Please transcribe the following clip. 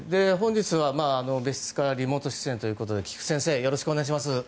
本日は別室からリモート出演ということで菊地先生よろしくお願いします。